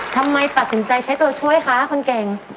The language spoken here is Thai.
ทำไมตัดสินใจใช้ตัวช่วยคะคนเก่ง